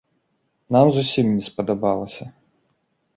Нам зусім не спадабалася.